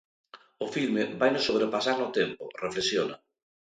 O filme vainos sobrepasar no tempo, reflexiona.